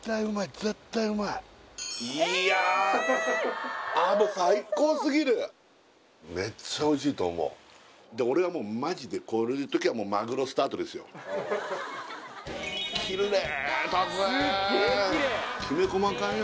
絶対うまいいやああっもう最高すぎるめっちゃおいしいと思うで俺はもうマジでこういう時はもうキレイだぜきめ細かいよ